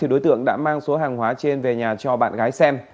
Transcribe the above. đối tượng đã mang số hàng hóa trên về nhà cho bạn gái xem